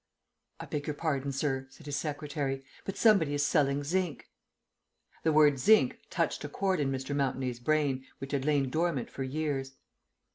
"I beg your pardon, sir," said his secretary, "but somebody is selling zinc." The word "zinc" touched a chord in Mr. Mountenay's brain which had lain dormant for years.